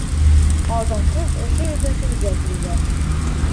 Алтынҡош ошо ерҙә телгә килгән: